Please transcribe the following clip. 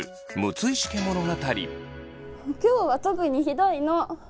今日は特にひどいの。